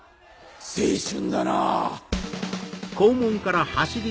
青春だなぁ。